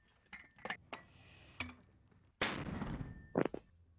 আর তোমার ভুড়ি দিয়েই শ্বাসরোধ করে মারবো।